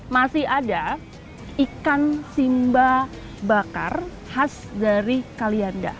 masih ada ikan simba bakar khas dari kalianda